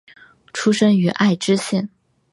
出身于爱知县。